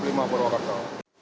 ini adalah perawatan perawatan